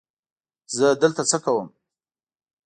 زه دلته څه کوم؟